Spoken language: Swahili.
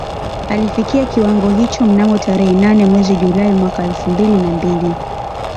Alifikia kiwango hicho mnamo tarehe nane mwezi Julai mwaka elfu mbili na mbili